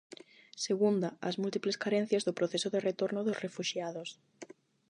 Segunda, as múltiples carencias do proceso de retorno dos refuxiados.